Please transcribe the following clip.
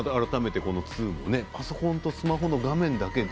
この２もパソコンとスマホの画面だけ。